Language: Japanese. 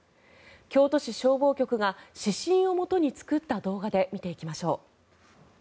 京都市消防局が指針をもとに作った動画で見ていきましょう。